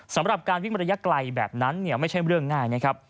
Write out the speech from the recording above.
สำหรับการวิ่งมาระยะไกลแบบนั้นไม่ใช่เรื่องง่ายนะครับ